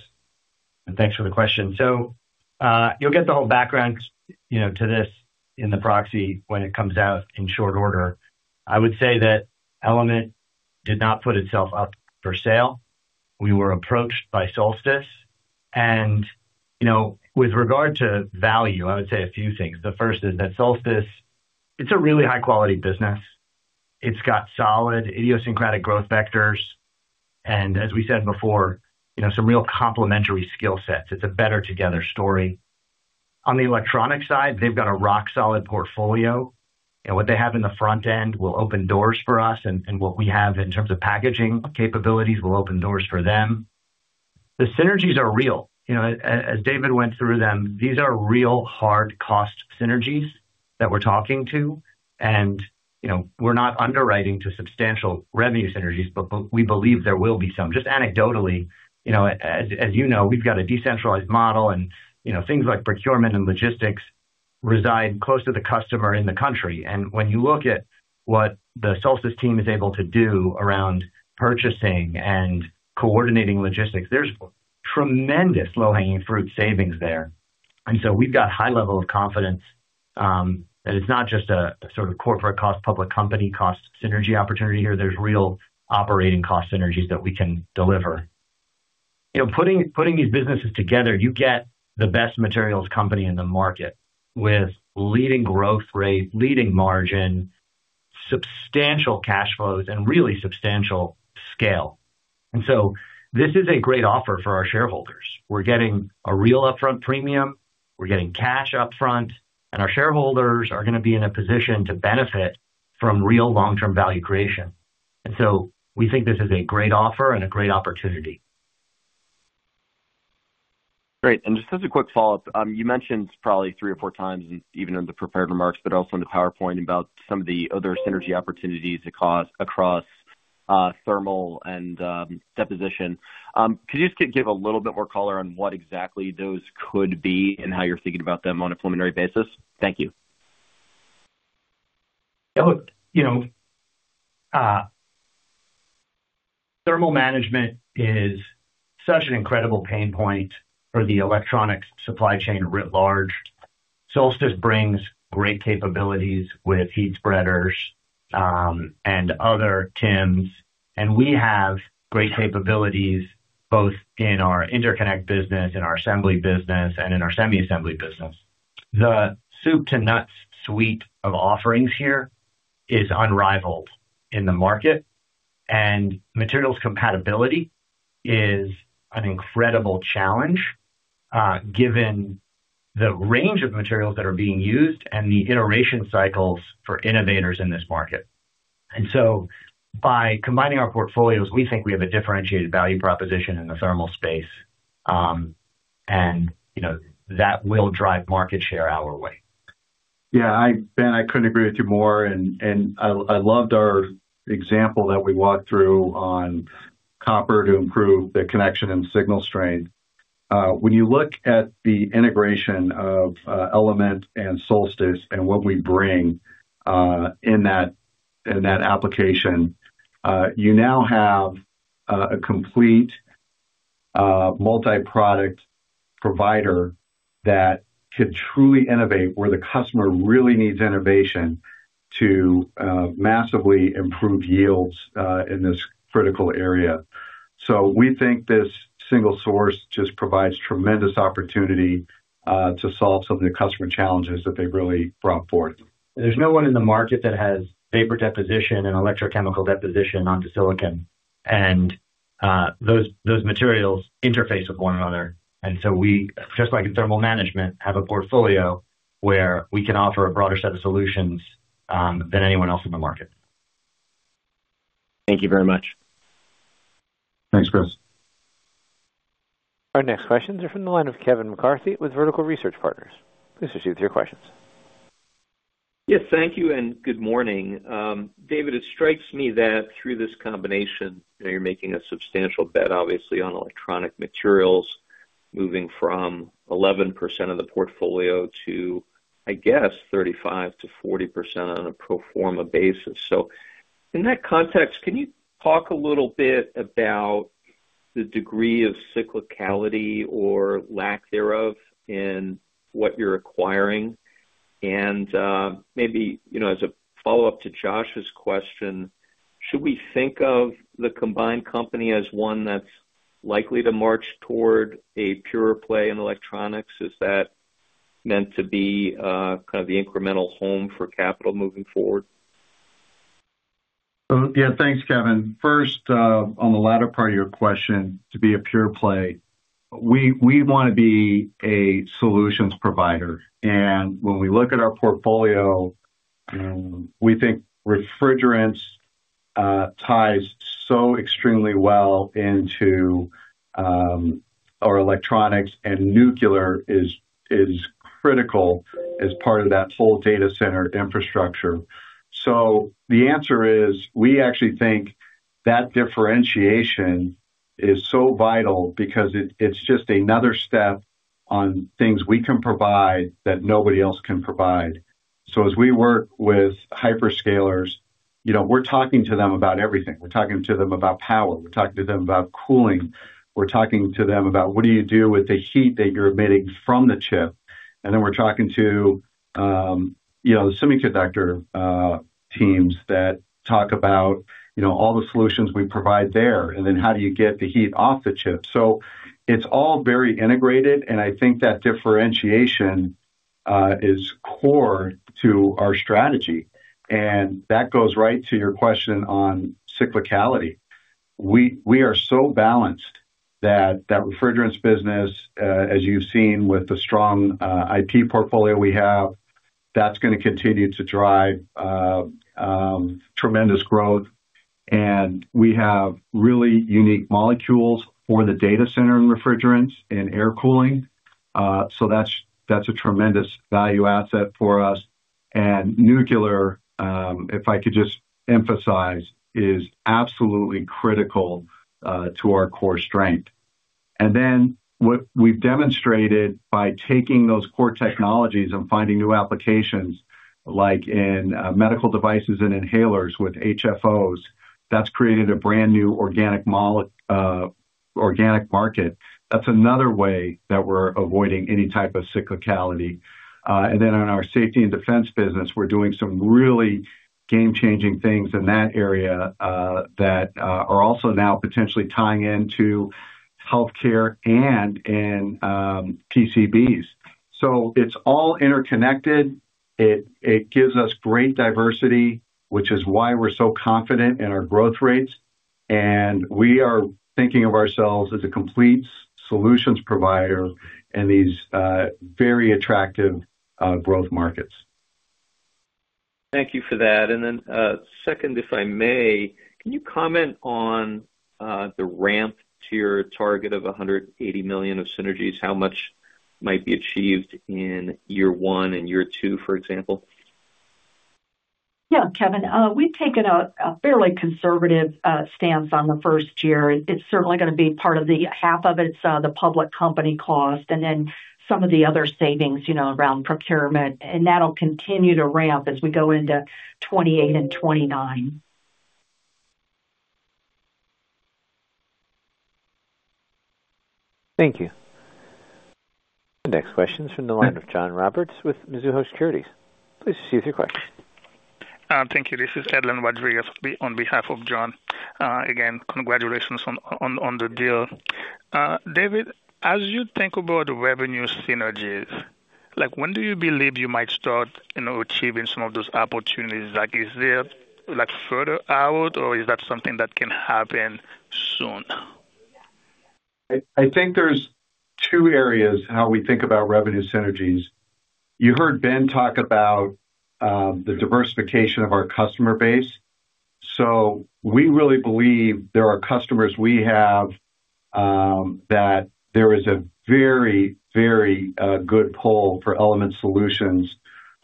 and thanks for the question. You'll get the whole background to this in the proxy when it comes out in short order. I would say that Element did not put itself up for sale. We were approached by Solstice. With regard to value, I would say a few things. The first is that Solstice, it's a really high-quality business. It's got solid idiosyncratic growth vectors, and as we said before, you know, some real complementary skill sets. It's a better together story. On the electronics side, they've got a rock-solid portfolio, and what they have in the front end will open doors for us, and what we have in terms of packaging capabilities will open doors for them. The synergies are real. As David went through them, these are real hard cost synergies that we're talking to, and we're not underwriting to substantial revenue synergies, but we believe there will be some. Just anecdotally, as you know, we've got a decentralized model and things like procurement and logistics reside close to the customer in the country, and when you look at what the Solstice team is able to do around purchasing and coordinating logistics, there's tremendous low-hanging fruit savings there. So, we've got high level of confidence that it's not just a sort of corporate cost, public company cost synergy opportunity here. There's real operating cost synergies that we can deliver. Putting these businesses together, you get the best materials company in the market with leading growth rate, leading margin, substantial cash flows, and really substantial scale. And so, this is a great offer for our shareholders. We're getting a real upfront premium, we're getting cash upfront, and our shareholders are going to be in a position to benefit from real long-term value creation. We think this is a great offer and a great opportunity. Great. Just as a quick follow-up, you mentioned probably three or four times, even in the prepared remarks, but also in the PowerPoint about some of the other synergy opportunities across thermal and deposition. Could you just give a little bit more color on what exactly those could be and how you're thinking about them on a preliminary basis? Thank you. Look, you know, thermal management is such an incredible pain point for the electronic supply chain writ large. Solstice brings great capabilities with heat spreaders, and other TIMs, and we have great capabilities both in our interconnect business, in our assembly business, and in our semi-assembly business. The soup-to-nuts suite of offerings here is unrivaled in the market, and materials compatibility is an incredible challenge given the range of materials that are being used and the iteration cycles for innovators in this market. By combining our portfolios, we think we have a differentiated value proposition in the thermal space, and that will drive market share our way. Yeah, Ben, I couldn't agree with you more. I loved our example that we walked through on copper to improve the connection and signal strength. When you look at the integration of Element and Solstice and what we bring in that application, you now have a complete multi-product provider that can truly innovate where the customer really needs innovation to massively improve yields in this critical area. We think this single source just provides tremendous opportunity to solve some of the customer challenges that they've really brought forth. There's no one in the market that has vapor deposition and electrochemical deposition onto silicon. Those materials interface with one another. And so, we, just like in thermal management, have a portfolio where we can offer a broader set of solutions than anyone else in the market. Thank you very much. Thanks, Chris. Our next questions are from the line of Kevin McCarthy with Vertical Research Partners. Please proceed with your questions. Yes, thank you, and good morning. David, it strikes me that through this combination, you're making a substantial bet, obviously, on electronic materials, moving from 11% of the portfolio to, I guess, 35%-40% on a pro forma basis. In that context, can you talk a little bit about the degree of cyclicality or lack thereof in what you're acquiring? And maybe as a follow-up to Josh's question, should we think of the combined company as one that's likely to march toward a pure play in electronics? Is that meant to be kind of the incremental home for capital moving forward? Yeah. Thanks, Kevin. First, on the latter part of your question, to be a pure play, we want to be a solutions provider. When we look at our portfolio, we think refrigerants ties so extremely well into our electronics, and nuclear is critical as part of that whole data center infrastructure. So, the answer is, we actually think that differentiation is so vital because it's just another step on things we can provide that nobody else can provide. As we work with hyperscalers, you know, we're talking to them about everything. We're talking to them about power. We're talking to them about cooling. We're talking to them about what do you do with the heat that you're emitting from the chip. And we're talking to semiconductor teams that talk about all the solutions we provide there, and how do you get the heat off the chip. So, it's all very integrated, and I think that differentiation is core to our strategy, and that goes right to your question on cyclicality. We are so balanced that that refrigerants business, as you've seen with the strong IP portfolio we have, that's going to continue to drive tremendous growth. We have really unique molecules for the data center in refrigerants and air cooling, so that's a tremendous value asset for us. And nuclear, if I could just emphasize, is absolutely critical to our core strength. And then, what we've demonstrated by taking those core technologies and finding new applications, like in medical devices and inhalers with HFOs, that's created a brand-new organic market. That's another way that we're avoiding any type of cyclicality. And then, on our safety and defense business, we're doing some really game-changing things in that area that are also now potentially tying into healthcare and in PCBs. So, it's all interconnected. It gives us great diversity, which is why we're so confident in our growth rates. We are thinking of ourselves as a complete solutions provider in these very attractive growth markets. Thank you for that. Then, second, if I may, can you comment on the ramp to your target of $180 million of synergies, how much might be achieved in year one and year two, for example? Yeah, Kevin. We've taken a fairly conservative stance on the first year. It's certainly going to be part of the, half of it's the public company cost, and then some of the other savings around procurement, and that'll continue to ramp as we go into 2028 and 2029. Thank you. The next question's from the line of John Roberts with Mizuho Securities. Please proceed with your question. Thank you. This is Edlain Rodriguez on behalf of John. Again, congratulations on the deal. David, as you think about revenue synergies, like, when do you believe you might start achieving some of those opportunities? Is it further out, or is that something that can happen soon? I think there's two areas in how we think about revenue synergies. You heard Ben talk about the diversification of our customer base. We really believe there are customers we have that there is a very, very good pull for Element Solutions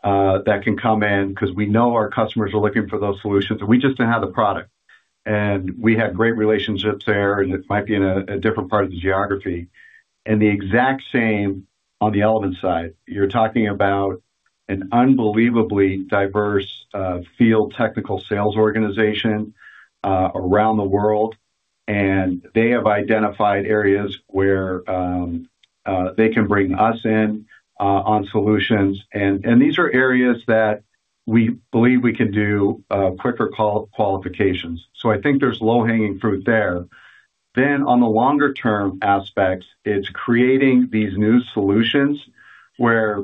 that can come in, because we know our customers are looking for those solutions, and we just didn't have the product. We had great relationships there, and it might be in a different part of the geography. And the exact same on the Element side. You're talking about an unbelievably diverse field technical sales organization around the world, and they have identified areas where they can bring us in on solutions. These are areas that we believe we can do quicker qualifications, so I think there's low-hanging fruit there. Then, on the longer-term aspects, it's creating these new solutions where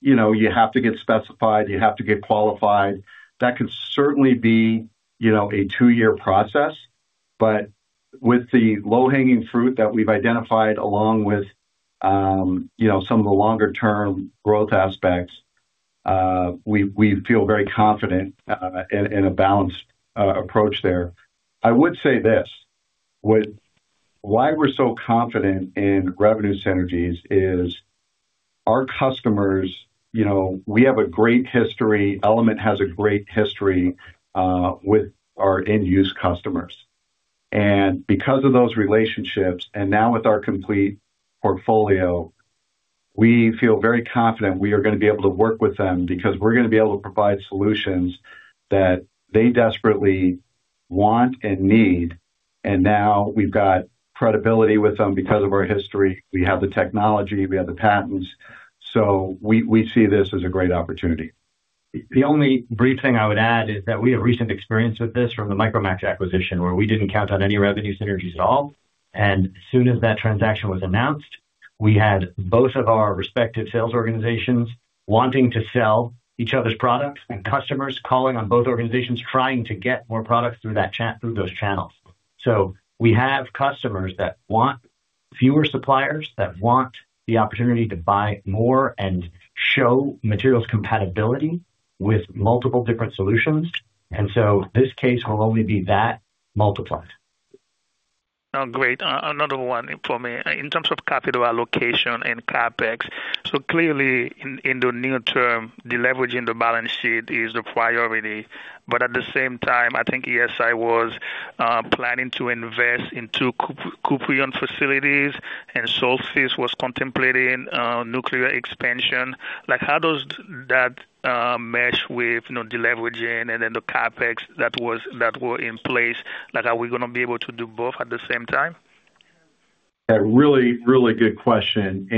you have to get specified, you have to get qualified, that could certainly be a two-year process. But with the low-hanging fruit that we've identified, along with some of the longer-term growth aspects, we feel very confident in a balanced approach there. I would say this, why we're so confident in revenue synergies is, our customers, you know, we have a great history, Element has a great history, with our end-use customers, and because of those relationships, and now with our complete portfolio, we feel very confident we are going to be able to work with them because we're going to be able to provide solutions that they desperately want and need. And now, we've got credibility with them because of our history. We have the technology, we have the patents. So, we see this as a great opportunity. The only brief thing I would add is that we have recent experience with this from the Micromax acquisition, where we didn't count on any revenue synergies at all. As soon as that transaction was announced, we had both of our respective sales organizations wanting to sell each other's products, and customers calling on both organizations trying to get more products through those channels. We have customers that want fewer suppliers, that want the opportunity to buy more and show materials compatibility with multiple different solutions. So, this case will only be that multiplied. Oh, great. Another one for me. In terms of capital allocation and CapEx, so clearly, in the near term, deleveraging the balance sheet is the priority. At the same time, I think ESI was planning to invest in two Kuprion facilities and Solstice was contemplating nuclear expansion, but how does that mesh with deleveraging and then the CapEx that were in place? Are we going to be able to do both at the same time? A really, really good question.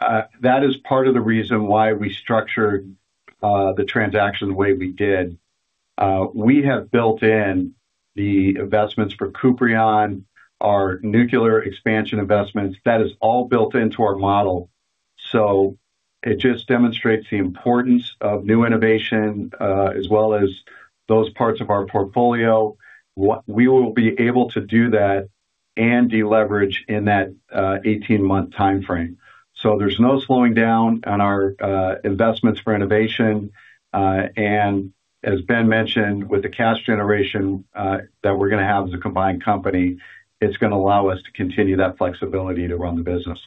That is part of the reason why we structured the transaction the way we did. We have built in the investments for Kuprion, our nuclear expansion investments, that is all built into our model. It just demonstrates the importance of new innovation, as well as those parts of our portfolio. We will be able to do that and deleverage in that 18-month timeframe. There's no slowing down on our investments for innovation. As Ben mentioned, with the cash generation that we're going to have as a combined company, it's going to allow us to continue that flexibility to run the business.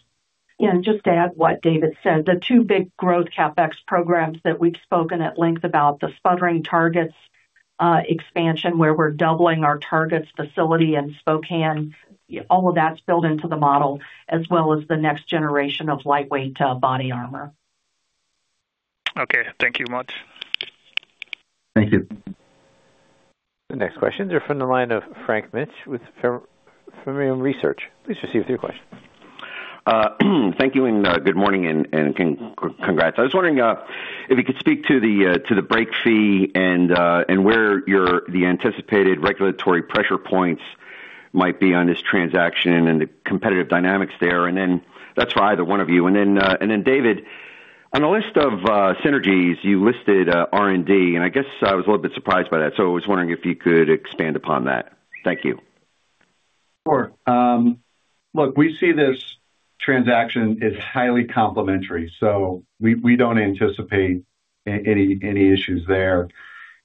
Just to add what David said, the two big growth CapEx programs that we've spoken at length about, the sputtering targets expansion, where we're doubling our targets facility in Spokane, all of that's built into the model as well as the next generation of lightweight body armor. Okay. Thank you much. Thank you. The next questions are from the line of Frank Mitsch with Fermium Research. Please proceed with your question. Thank you, and good morning, and congrats. I was wondering if you could speak to the break fee and where the anticipated regulatory pressure points might be on this transaction and the competitive dynamics there. That's for either one of you. And David, on the list of synergies you listed R&D, I guess I was a little bit surprised by that, so I was wondering if you could expand upon that. Thank you. Sure. Look, we see this transaction as highly complementary, so we don't anticipate any issues there.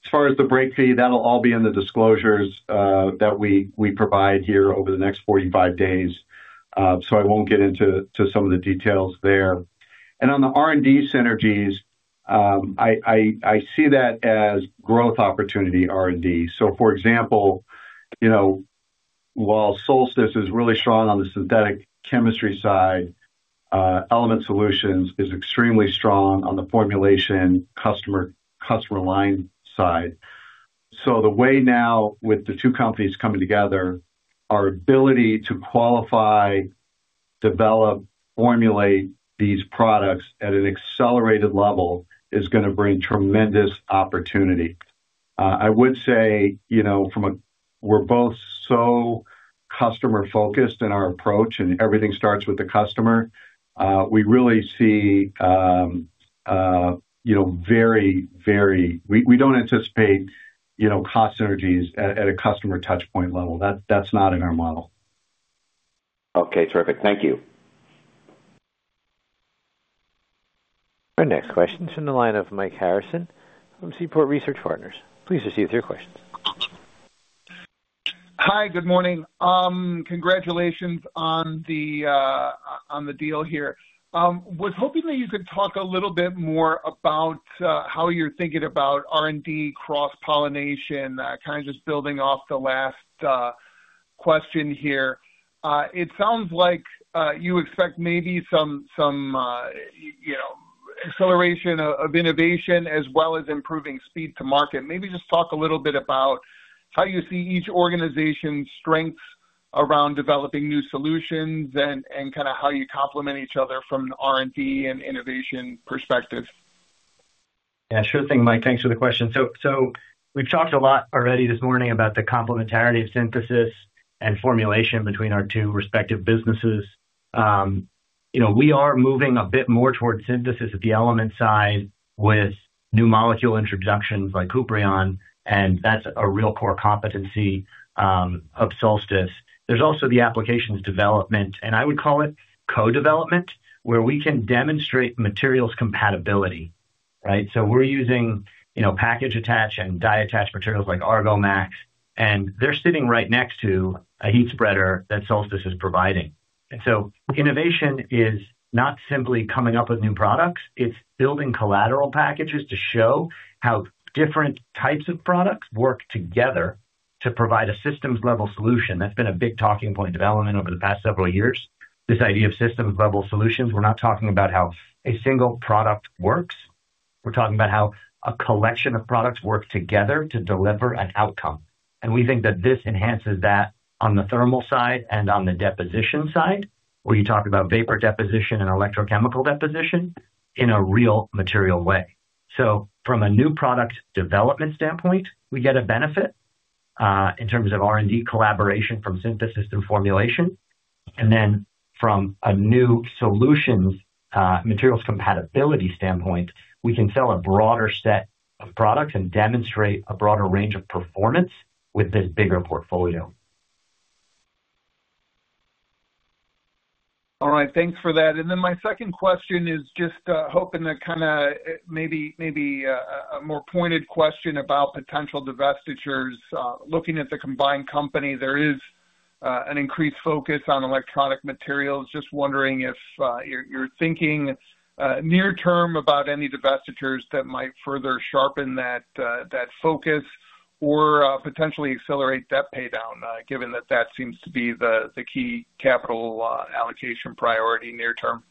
As far as the break fee, that'll all be in the disclosures that we provide here over the next 45 days, so I won't get into some of the details there. On the R&D synergies, I see that as growth opportunity R&D. For example, while Solstice is really strong on the synthetic chemistry side, Element Solutions is extremely strong on the formulation customer line side. The way now with the two companies coming together, our ability to qualify, develop, formulate these products at an accelerated level is going to bring tremendous opportunity. I would say, you know, we're both so customer-focused in our approach and everything starts with the customer, we really see very, very, we don't anticipate cost synergies at a customer touchpoint level. That's not in our model. Okay, terrific. Thank you. Our next question is from the line of Mike Harrison from Seaport Research Partners. Please proceed with your questions. Hi, good morning. Congratulations on the deal here. Was hoping that you could talk a little bit more about how you're thinking about R&D cross-pollination, kind of just building off the last question here. It sounds like you expect maybe some acceleration of innovation as well as improving speed to market. Maybe just talk a little bit about how you see each organization's strengths around developing new solutions and kind of how you complement each other from an R&D and innovation perspective. Yeah, sure thing, Mike. Thanks for the question. We've talked a lot already this morning about the complementarity of synthesis and formulation between our two respective businesses. We are moving a bit more towards synthesis at the Element side with new molecule introductions like Kuprion, and that's a real core competency of Solstice. There's also the applications development, and I would call it co-development, where we can demonstrate materials compatibility, right? We're using package attach and die attach materials like Argomax, and they're sitting right next to a heat spreader that Solstice is providing. Innovation is not simply coming up with new products, it's building collateral packages to show how different types of products work together to provide a systems-level solution. That's been a big talking point of Element over the past several years, this idea of systems-level solutions. We're not talking about how a single product works. We're talking about how a collection of products work together to deliver an outcome, and we think that this enhances that on the thermal side and on the deposition side, where you talk about vapor deposition and electrochemical deposition in a real material way. From a new product development standpoint, we get a benefit in terms of R&D collaboration from synthesis and formulation. Then, from a new solutions materials compatibility standpoint, we can sell a broader set of products and demonstrate a broader range of performance with this bigger portfolio. All right. Thanks for that. My second question is just hoping to kind of maybe a more pointed question about potential divestitures. Looking at the combined company, there is an increased focus on electronic materials. Just wondering if you're thinking near term about any divestitures that might further sharpen that focus or potentially accelerate debt paydown, given that that seems to be the key capital allocation priority near term.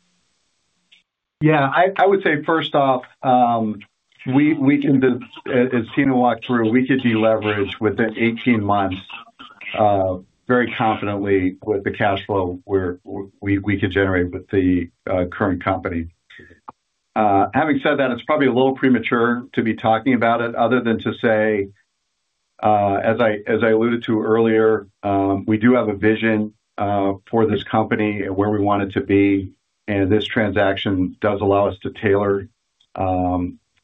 Yeah, I would say, first off, as Tina walked through, we could deleverage within 18 months very confidently with the cash flow we could generate with the current company. Having said that, it's probably a little premature to be talking about it other than to say, as I alluded to earlier, we do have a vision for this company and where we want it to be, and this transaction does allow us to tailor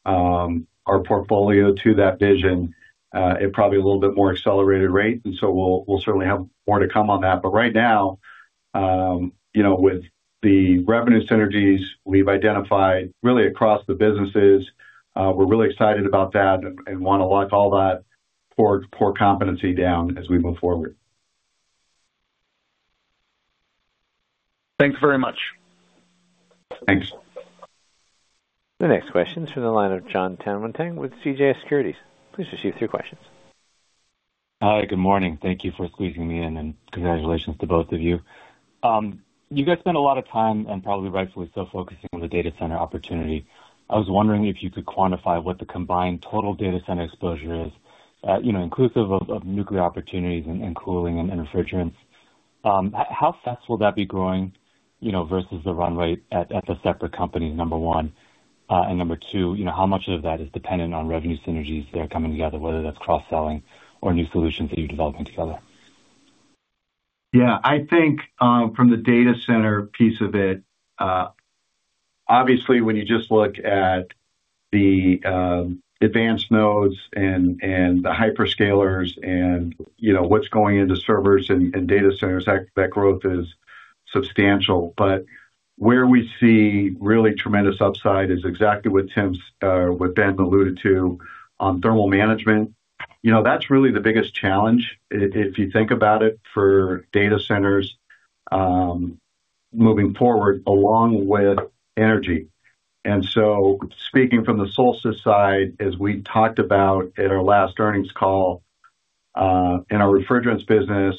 our portfolio to that vision at probably a little bit more accelerated rate, and so, we'll certainly have more to come on that. But right now, with the revenue synergies we've identified really across the businesses, we're really excited about that and want to lock all that core competency down as we move forward. Thanks very much. Thanks. The next question's from the line of Jon Tanwanteng with CJS Securities. Please proceed with your questions. Hi, good morning. Thank you for squeezing me in, and congratulations to both of you. You guys spent a lot of time, and probably rightfully so, focusing on the data center opportunity. I was wondering if you could quantify what the combined total data center exposure is, inclusive of nuclear opportunities and cooling and refrigerants. How fast will that be growing versus the run rate at the separate companies, number one. Number two, how much of that is dependent on revenue synergies there coming together, whether that's cross-selling or new solutions that you're developing together? I think from the data center piece of it, obviously, when you just look at the advanced nodes and the hyperscalers and what's going into servers and data centers, that growth is substantial. But where we see really tremendous upside is exactly what Ben alluded to on thermal management. That's really the biggest challenge, if you think about it, for data centers moving forward, along with energy. Speaking from the Solstice side, as we talked about in our last earnings call, in our refrigerants business,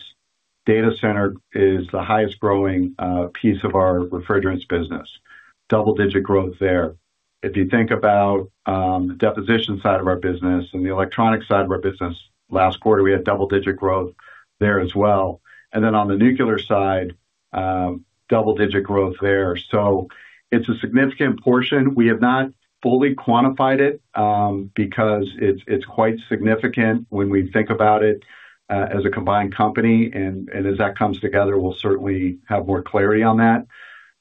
data center is the highest growing piece of our refrigerants business. Double-digit growth there. If you think about the deposition side of our business and the electronic side of our business, last quarter, we had double-digit growth there as well. On the nuclear side, double-digit growth there. So, it's a significant portion. We have not fully quantified it because it's quite significant when we think about it as a combined company, and as that comes together, we'll certainly have more clarity on that.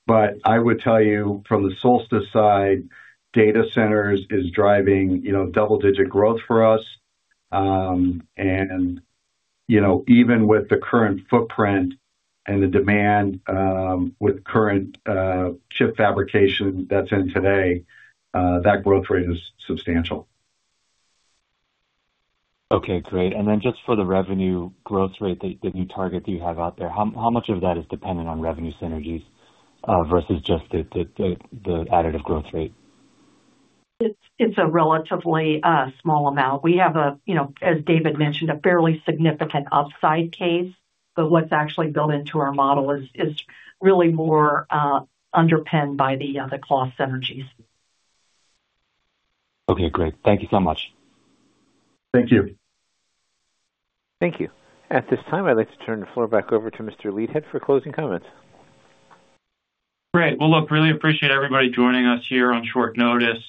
But I would tell you from the Solstice side, data centers is driving double-digit growth for us. Even with the current footprint and the demand with current chip fabrication that's in today, that growth rate is substantial. Okay, great. Just for the revenue growth rate, the new target that you have out there, how much of that is dependent on revenue synergies versus just the additive growth rate? It's a relatively small amount. We have, as David mentioned, a fairly significant upside case, but what's actually built into our model is really more underpinned by the cost synergies. Okay, great. Thank you so much. Thank you. Thank you. At this time, I'd like to turn the floor back over to Mr. Leithead for closing comments. Great. Well, look, really appreciate everybody joining us here on short notice.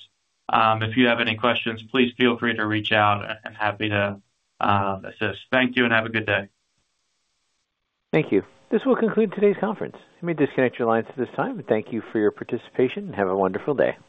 If you have any questions, please feel free to reach out. I am happy to assist. Thank you and have a good day. Thank you. This will conclude today's conference. You may disconnect your lines at this time. Thank you for your participation and have a wonderful day.